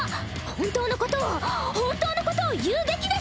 本当のことを本当のことを言うべきです！